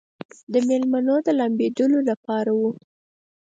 د مېلمنو د لامبېدلو لپاره و.